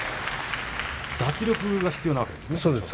脱力が必要なわけですね。